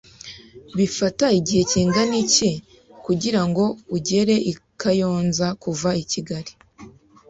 Bifata igihe kingana iki kugirango ugere i Kayonza kuva i kigali?